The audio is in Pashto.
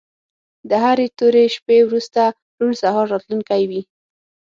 د هرې تورې شپې وروسته روڼ سهار راتلونکی وي.